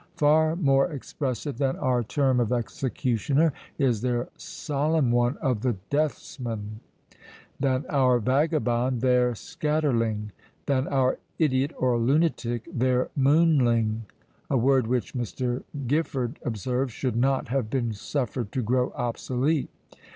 Far more expressive than our term of executioner is their solemn one of the deathsman; than our vagabond, their scatterling; than our idiot or lunatic, their moonling, a word which, Mr. Gifford observes, should not have been suffered to grow obsolete.